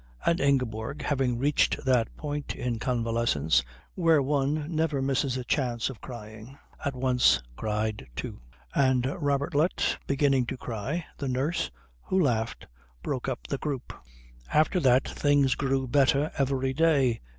And Ingeborg, having reached that point in convalescence where one never misses a chance of crying, at once cried, too; and Robertlet beginning to cry, the nurse, who laughed, broke up the group. After that things grew better every day.